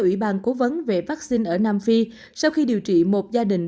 ủy ban cố vấn về vaccine ở nam phi sau khi điều trị một gia đình